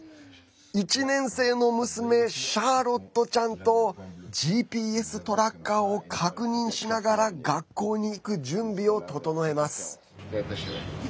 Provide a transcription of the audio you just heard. １年生の娘シャーロットちゃんとＧＰＳトラッカーを確認しながら学校に行く準備を整えます。